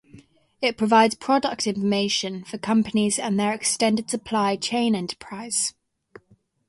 It provides product information for companies and their extended supply chain enterprise.